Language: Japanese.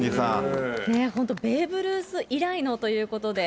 本当、ベーブ・ルース以来のということで。